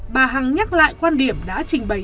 bà hằng nhắc lại quan điểm đã trình bày